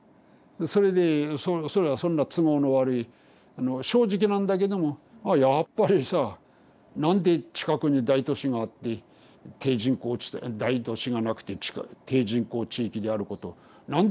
それでそれはそんな都合の悪い正直なんだけどもあやっぱりさ何で近くに大都市があって低人口地帯大都市がなくて低人口地域であること何で産業水準の低いところなんだ。